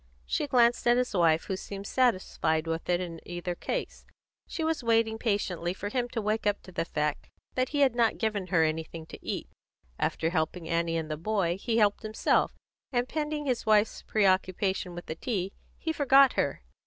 She glanced at his wife, who seemed satisfied with it in either case. She was waiting patiently for him to wake up to the fact that he had not yet given her anything to eat; after helping Annie and the boy, he helped himself, and pending his wife's pre occupation with the tea, he forgot her.